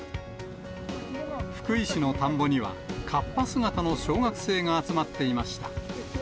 福井市の田んぼには、かっぱ姿の小学生が集まっていました。